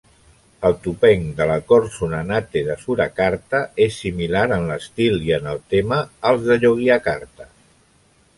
El topeng de la cort Sunanate de Surakarta és similar en l'estil i en el tema als de Yogyakarta.